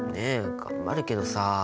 頑張るけどさ。